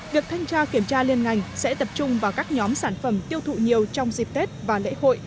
việc thanh tra kiểm tra liên ngành sẽ tập trung vào các nhóm sản phẩm tiêu thụ nhiều trong dịp tết và lễ hội